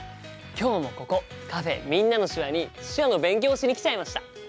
今日もここカフェ「みんなの手話」に手話の勉強をしに来ちゃいました！